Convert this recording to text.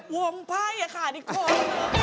วงไพ่ค่ะดิของ